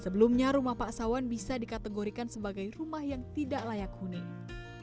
sebelumnya rumah pak sawan bisa dikategorikan sebagai rumah yang tidak layak huni